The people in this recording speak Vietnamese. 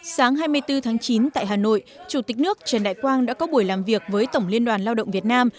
sáng hai mươi bốn tháng chín tại hà nội chủ tịch nước trần đại quang đã có buổi làm việc với tổng liên đoàn lao động việt nam